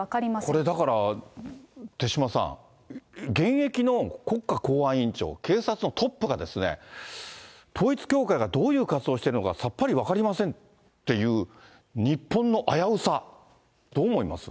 これだから、手嶋さん、現役の国家公安委員長、警察のトップがですね、統一教会がどういう活動をしているのかさっぱり分かりませんっていう、日本の危うさ、どう思います？